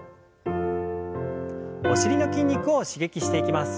お尻の筋肉を刺激していきます。